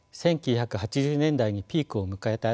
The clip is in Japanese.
１９８０年代にピークを迎えた